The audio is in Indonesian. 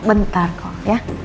bentar kok ya